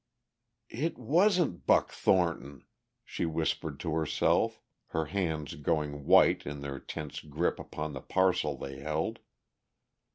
"It wasn't Buck Thornton!" she whispered to herself, her hands going white in their tense grip upon the parcel they held.